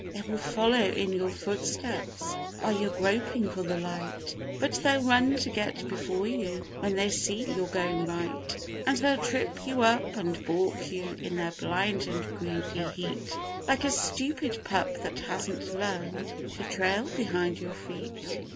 They will follow in your footsteps while you're groping for the light; But they'll run to get before you when they see you're going right; And they'll trip you up and baulk you in their blind and greedy heat, Like a stupid pup that hasn't learned to trail behind your feet.